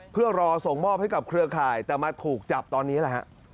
เพื่อรอส่งมอบให้กับเครือข่ายแต่มาถูกจับตอนนี้แหละฮะ